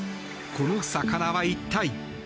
この魚は一体？